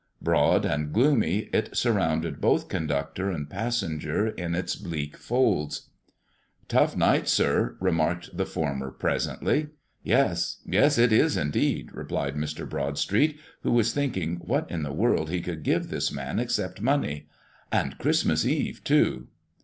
Broad and gloomy, it surrounded both conductor and passenger in its bleak folds. "Tough night, sir," remarked the former, presently. "Yes, yes, it is, indeed," replied Mr. Broadstreet, who was thinking what in the world he could give this man, except money. "And Christmas Eve, too!"